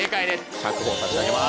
１００ほぉ差し上げます。